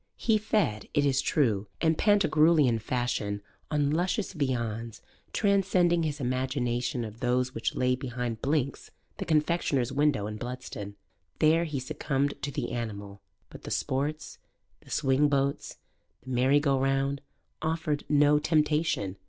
He fed, it is true, in Pantagruelian fashion on luscious viands, transcending his imagination of those which lay behind Blinks the confectioner's window in Bludston: there he succumbed to the animal; but the sports, the swing boats, the merry go round, offered no temptation.